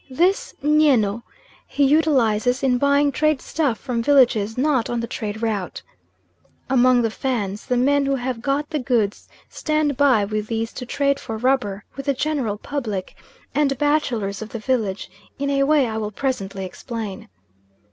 This nyeno he utilises in buying trade stuff from villages not on the trade route. Among the Fans the men who have got the goods stand by with these to trade for rubber with the general public and bachelors of the village, in a way I will presently explain.